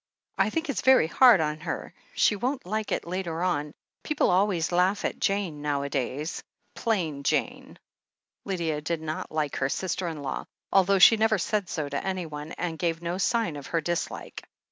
"I think it's very hard on her. She won't like it later on — people always laugh at 'J^^ne' nowadays — 'Plain Jane.' " Lydia did not like her sister in law, although she never said so to anyone, and gave no sign of her dis like.